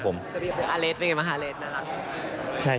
ไปเจออาเลสเป็นไงบ้างคะเรสน่ารัก